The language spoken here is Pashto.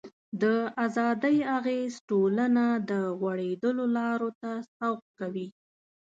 د ازادۍ اغېز ټولنه د غوړېدلو لارو ته سوق کوي.